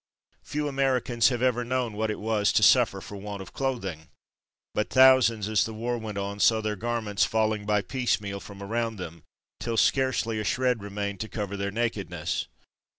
Few Americans have ever known what it was to suffer for want of clothing; but thousands, as the war went on, saw their garments falling by piecemeal from around them, till scarce a shred remained to cover their nakedness.